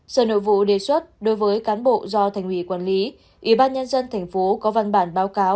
sở nội vụ đề xuất đối với cán bộ do thành ủy quản lý ủy ban nhân dân thành phố có văn bản báo cáo